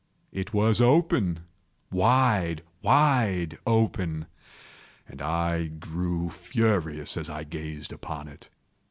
It was open—wide, wide open—and I grew furious as I gazed upon it.